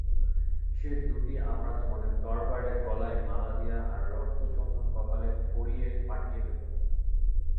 সে দুটি আমরা তোমাদের দরবারে গলায় মালা দিয়ে আর রক্তচন্দন কপালে পরিয়ে পাঠিয়ে দেব।